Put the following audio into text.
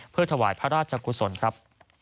เพื่อถวายพระราชกุศลครับ